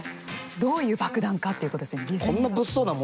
どういう爆弾かっていうことですね。